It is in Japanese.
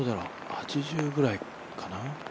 ８０ぐらいかな？